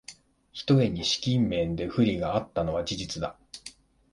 ひとえに資金面で不利があったのは事実だ